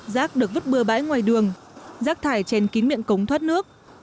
rác được vứt bừa bãi ngoài đường rác thải chèn kín miệng cống thoát nước